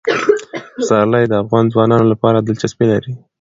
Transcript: پسرلی د افغان ځوانانو لپاره دلچسپي لري.